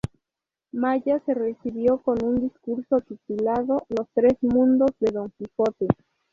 Maya se recibió con un discurso titulado "Los tres mundos de Don Quijote".